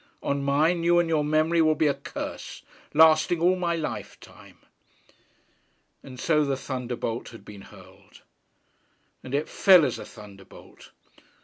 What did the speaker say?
On mine, you and your memory will be a curse, lasting all my lifetime!' And so the thunderbolt had been hurled. And it fell as a thunderbolt.